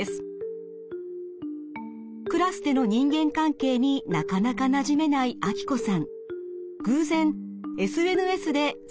クラスでの人間関係になかなかなじめないアキコさん。